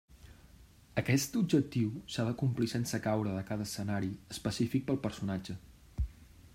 Aquest objectiu s'ha de complir sense caure de cada escenari específic del personatge.